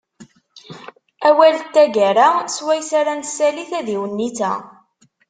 Awal n taggara swayes ara nessali tadiwennit-a.